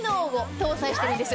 搭載しているんです。